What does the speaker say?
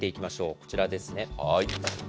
こちらですね。